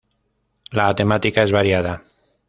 La temática es variada.